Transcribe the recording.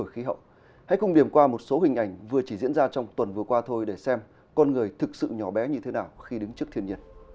hãy cùng điểm qua một số hình ảnh vừa chỉ diễn ra trong tuần vừa qua thôi để xem con người thực sự nhỏ bé như thế nào khi đứng trước thiên nhiên